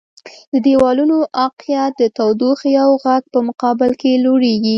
د دیوالونو عایقیت د تودوخې او غږ په مقابل کې لوړیږي.